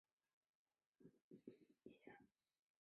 文章以第一人称自叙的手法铺陈主角的故事。